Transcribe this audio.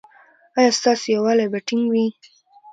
ایا ستاسو یووالي به ټینګ وي؟